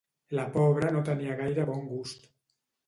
—La pobra no tenia gaire bon gust